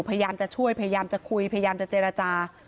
พยายามจะช่วยพยายามจะคุยพยายามจะเจรจา